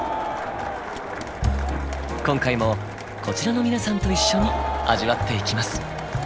今回もこちらの皆さんと一緒に味わっていきます。